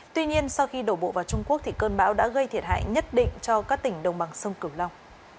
tuy nhiên sau khi đổ bộ vào trung quốc cơn bão đã gây thiệt hại nhất định cho các tỉnh đồng bằng sông cửu long